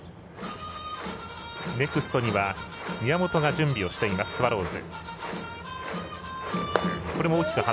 ネクストには宮本が準備をしていますスワローズ。